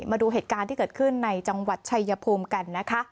มาดูเหตุการณ์ที่เกิดขึ้นในจังหวัดชายภูมิกันนะคะ